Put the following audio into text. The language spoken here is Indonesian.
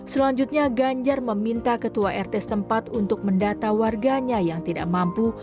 selanjutnya ganjar meminta ketua rt setempat untuk mendata warganya yang tidak mampu